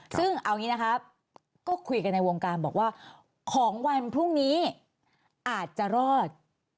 ซึ่งเอาอย่างนี้นะครับก็คุยกันในวงการบอกว่าของวันพรุ่งนี้อาจจะรอด